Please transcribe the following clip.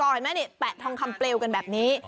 เห็นไหมนี่แปะทองคำเปลวกันแบบนี้